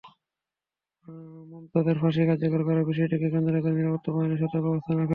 মুমতাজের ফাঁসি কার্যকর করার বিষয়টিকে কেন্দ্র করে নিরাপত্তা বাহিনীকে সতর্ক অবস্থানে রাখা হয়।